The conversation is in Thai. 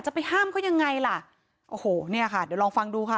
ไปห้ามเขายังไงล่ะโอ้โหเนี่ยค่ะเดี๋ยวลองฟังดูค่ะ